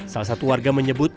salah satu warga menyebut